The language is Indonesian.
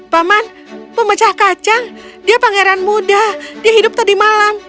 paman pemecah kacang dia pangeran muda dia hidup tadi malam